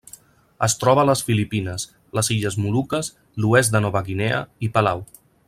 Es troba a les Filipines, les Illes Moluques, l'oest de Nova Guinea i Palau.